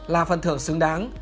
là phần thưởng xứng đáng